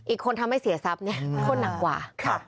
อีกคนทำให้เสียทรัพย์เนี่ยโทษหนักกว่า